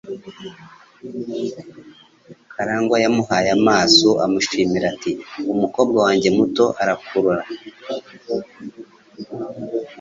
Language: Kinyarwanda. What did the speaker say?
Karangwa yamuhaye amaso amushimira ati: "Umukobwa wanjye muto arakura."